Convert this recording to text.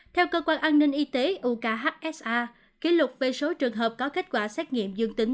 theo cơ quan an ninh y tế ukhsa kỷ lục về số trường hợp có kết quả xét nghiệm dương tính